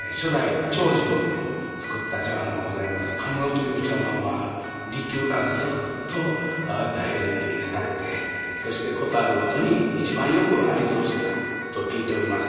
「禿」という茶碗は利休がずっと大事にされてそして事あるごとに一番よく愛蔵してたと聞いております。